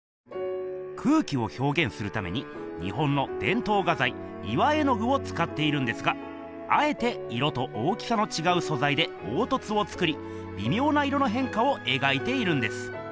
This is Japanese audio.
空気をひょうげんするために日本のでんとう画ざい岩絵具をつかっているんですがあえて色と大きさのちがうそざいでおうとつを作りびみょうな色のへんかを描いているんです。